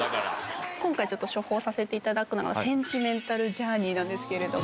今回ちょっと処方させていただくのが、センチメンタル・ジャーニーなんですけれども。